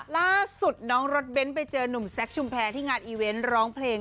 ล่าสุดน้องรถเบ้นไปเจอนุ่มแซคชุมแพรที่งานอีเวนต์ร้องเพลง